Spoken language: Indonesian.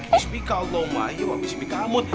bismikallahumma yoh bismikamut